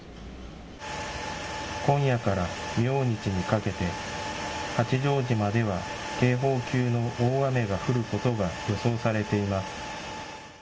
今夜から明日にかけて八丈島では警報級の大雨が降ることが予想されています。